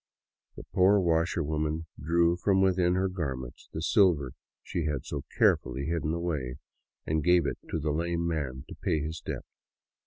The poor washerwoman drew from within her garments the silver she had so carefully hidden away and gave it to the lame man to pay his debt.